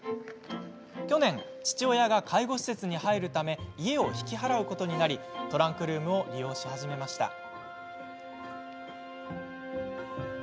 去年、父親が介護施設に入るため家を引き払うことになりトランクルームを利用し始めました。